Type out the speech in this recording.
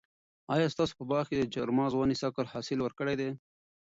آیا ستاسو په باغ کې د چهارمغز ونې سږ کال حاصل ورکړی دی؟